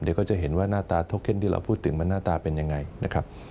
เดี๋ยวก็จะเห็นว่าหน้าตาทกเคนที่เราพูดถึงมันหน้าตาเป็นยังไงนะครับ